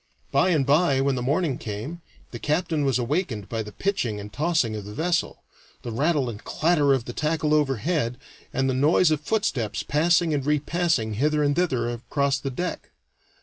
By and by, when the morning came, the captain was awakened by the pitching and tossing of the vessel, the rattle and clatter of the tackle overhead, and the noise of footsteps passing and repassing hither and thither across the deck.